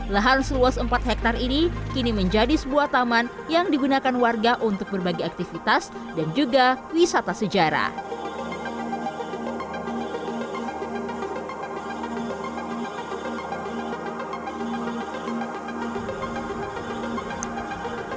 lahan seluas empat hektare ini kini menjadi sebuah taman yang digunakan warga untuk berbagai aktivitas dan juga wisata sejarah